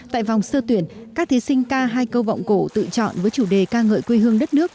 tại vòng sơ tuyển các thí sinh ca hai câu vọng cổ tự chọn với chủ đề ca ngợi quê hương đất nước